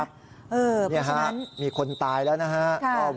เพราะฉะนั้นมีคนตายแล้วนะครับ